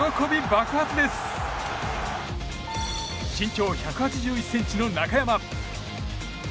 身長１８１ｃｍの中山。